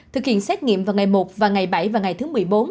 thực hiện xét nghiệm vào ngày một và ngày bảy và ngày thứ một mươi bốn